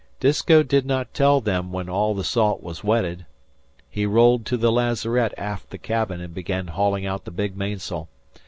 Disko did not tell them when all the salt was wetted. He rolled to the lazarette aft the cabin and began hauling out the big mainsail.